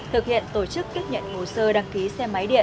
thực hiện tổ chức tiếp nhận hồ sơ đăng ký xe máy điện